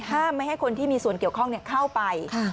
ไม่ให้คนที่มีส่วนเกี่ยวข้องเข้าไป